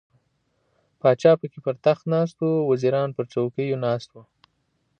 پاچا پکې پر تخت ناست و، وزیران پر څوکیو ناست وو.